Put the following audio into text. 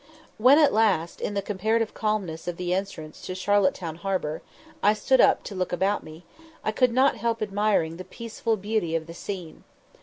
When at last, in the comparative calmness of the entrance to Charlotte Town harbour, I stood up to look about me, I could not help admiring the peaceful beauty of the scene.